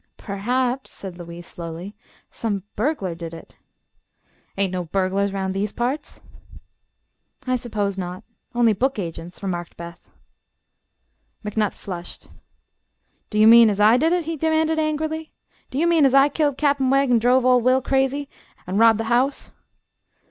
"Perhaps," said Louise, slowly, "some burglar did it." "Ain't no burglers 'round these parts." "I suppose not. Only book agents," remarked Beth. McNutt flushed. "Do ye mean as I did it?" he demanded, angrily. "Do ye mean as I killed Cap'n Wegg an' druv 01' Will crazy, an' robbed the house?"